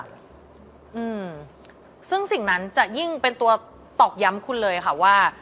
อืมซึ่งสิ่งนั้นจะยิ่งเป็นตัวตอกย้ำคุณเลยค่ะว่า